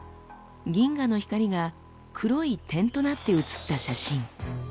銀河の光が黒い点となって写った写真。